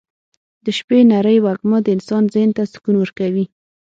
د شپې نرۍ وږمه د انسان ذهن ته سکون ورکوي.